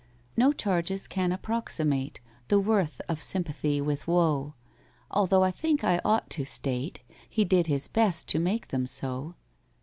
No charges can approximate The worth of sympathy with woe;— Although I think I ought to state He did his best to make them so.